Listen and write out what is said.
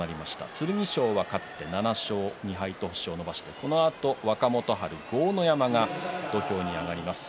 剣翔が勝って７勝２敗と星を伸ばして、このあと若元春豪ノ山が土俵に上がります。